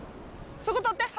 そこ取って！